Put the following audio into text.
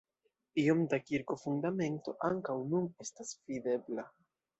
Iom da kirko-fundamento ankaŭ nun estas videbla.